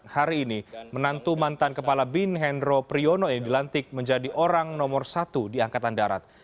hari ini menantu mantan kepala bin hendro priyono yang dilantik menjadi orang nomor satu di angkatan darat